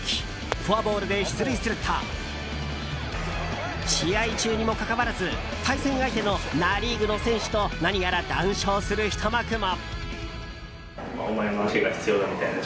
フォアボールで出塁すると試合中にもかかわらず対戦相手のナ・リーグの選手と何やら談笑するひと幕も。